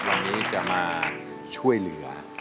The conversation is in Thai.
วันนี้จะมาช่วยเหลือ